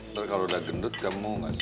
ntar kalau udah gendut kamu